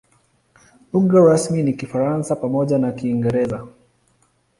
Lugha rasmi ni Kifaransa pamoja na Kiingereza.